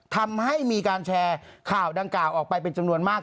ทำให้มีการแชร์ข่าวดังกล่าวออกไปเป็นจำนวนมาก